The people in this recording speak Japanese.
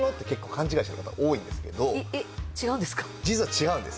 実は違うんです！